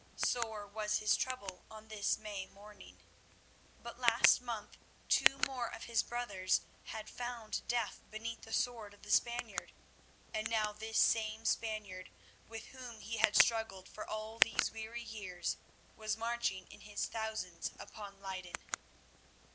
Sore was his trouble on this May morning. But last month two more of his brothers had found death beneath the sword of the Spaniard, and now this same Spaniard, with whom he had struggled for all these weary years, was marching in his thousands upon Leyden.